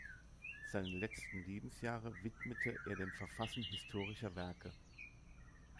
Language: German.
Seine letzten Lebensjahre widmete er dem Verfassen historischer Werke.